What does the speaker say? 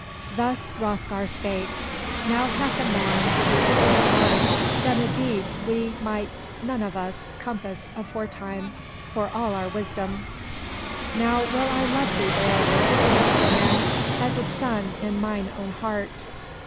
Thus Hroth'gar spake: Now hath a man through the Lord's might done a deed we 419 MY BOOK HOUSE might none of us compass aforetime for all our wisdom. Now will I love thee, Beowulf, best of men, as a son in mine own heart.